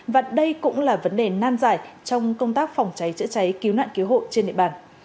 và đây cũng là vấn đề nan giải trong công tác phòng cháy chữa cháy cứu nạn cứu hộ trên địa bàn